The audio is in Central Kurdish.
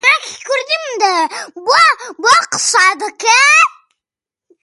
نەماوە ڕەنگ و بۆی بەیبوونی نواڵە